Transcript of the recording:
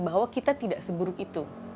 bahwa kita tidak seburuk itu